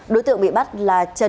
đối tượng bị bắt là trần văn